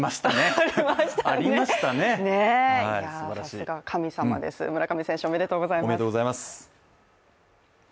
さすが、神様です、村上選手、おめでとうございます。